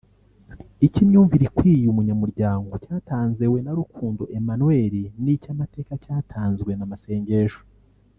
icy’ imyumvire ikwiye umunyamuryango cyatanzewe na Rukundo Emmanuel n’ icy’ amateka cyatanzwe na Masengesho